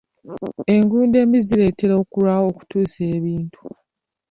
Enguudo embi zireetera okulwawo okutuusa ebintu.